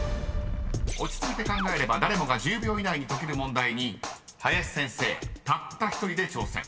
［落ち着いて考えれば誰もが１０秒以内に解ける問題に林先生たった１人で挑戦］